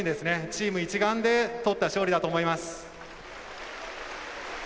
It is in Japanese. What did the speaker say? チーム一丸でとった勝利だと思います。